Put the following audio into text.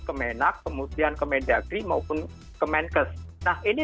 kemenak kemudian kementdagri